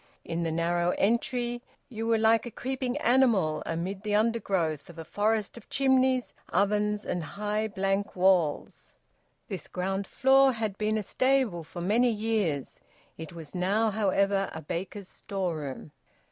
In the narrow entry you were like a creeping animal amid the undergrowth of a forest of chimneys, ovens, and high blank walls. This ground floor had been a stable for many years; it was now, however, a baker's storeroom.